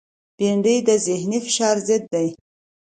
بېنډۍ د ذهنی فشار ضد ده